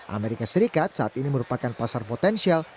amerika serikat saat ini merupakan pasar potensial